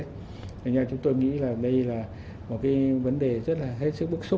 thì nha chúng tôi nghĩ là đây là một cái vấn đề rất là hết sức bức xúc